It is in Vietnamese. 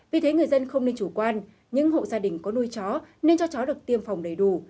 vì thế người dân không nên chủ quan những hộ gia đình có nuôi chó nên cho chó được tiêm phòng đầy đủ